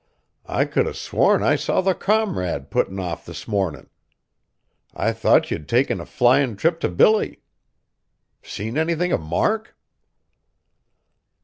I could 'a' sworn I saw the Comrade puttin' off this mornin'. I thought ye'd taken a flyin' trip to Billy. Seen anythin' of Mark?"